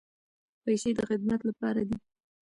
پیسې د خدمت لپاره دي.